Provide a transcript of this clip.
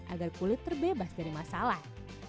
agar kulit terbebas dari masalah